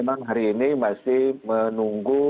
memang hari ini masih menunggu